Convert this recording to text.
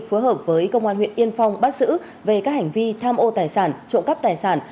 phối hợp với công an huyện yên phong bắt giữ về các hành vi tham ô tài sản trộm cắp tài sản